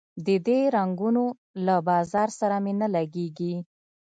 د دې رنګونو له بازار سره مي نه لګیږي